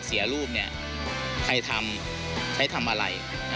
เสียรูปเนี่ยใครทำใครทำอะไรนะครับ